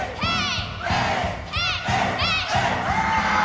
はい。